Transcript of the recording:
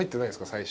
最初。